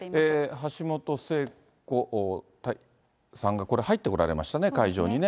橋本聖子さんが、これ入ってこられましたね、会場にね。